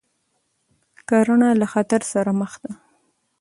کرنه له خطر سره مخ ده.